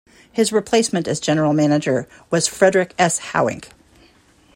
His replacement as general manager was Frederick S. Houwink.